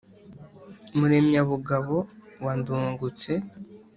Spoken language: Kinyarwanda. Muremyabugabo wa Ndungutse